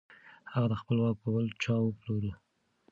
هغه خپل واک په بل چا وپلوره.